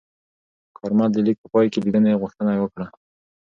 کارمل د لیک په پای کې لیدنې غوښتنه وکړه.